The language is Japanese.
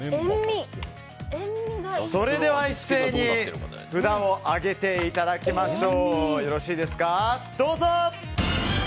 それでは一斉に札を上げていただきましょう。